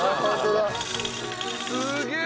すげえ！